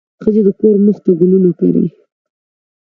ښځې د کور مخ ته ګلونه کري.